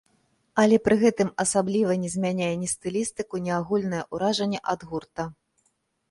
Але пры гэтым асабліва не змяняе ні стылістыку, ні агульнае ўражанне ад гурта.